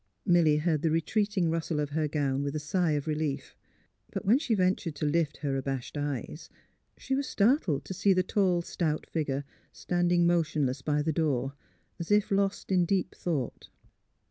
Milly heard the retreating rustle of her gown with a sigh of relief. But when she ventured to lift her abashed eyes, she was startled to see the tall stout figure standing motionless by the door, as if lost in deep thought.